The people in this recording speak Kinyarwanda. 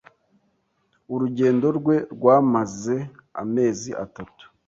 Urugendo rwe rwamaze amezi atatu.